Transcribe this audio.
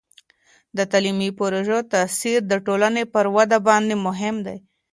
د تعلیمي پروژو تاثیر د ټولني پر وده باندې مهم دی.